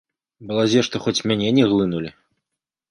Балазе што хоць мяне не глынулі.